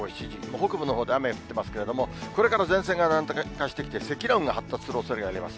北部のほうで雨が降ってますけど、これから前線が南下してきて、積乱雲が発達するおそれがあります。